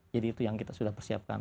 jadi itu yang kita sudah persiapkan